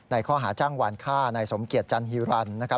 ในข้อหาจ้างหวานค่านายสมเกียจจันฮิรันทร์